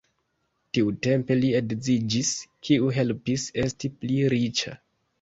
Tiutempe li edziĝis, kiu helpis esti pli riĉa.